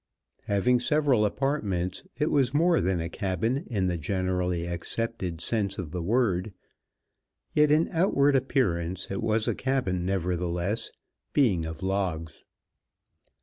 Having several apartments, it was more than a cabin in the generally accepted sense of the word, yet in outward appearance it was a cabin nevertheless, being of logs.